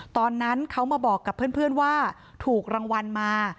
ตอนนั้นเขามาบอกกับเพื่อนว่าถูกรางวัลมา